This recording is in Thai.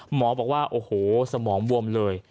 หมอบอกว่าโอ้โหสมองบวมเลย